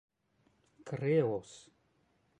kreos